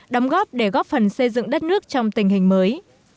đóng góp để góp phần xây dựng đất nước trong tình hình mới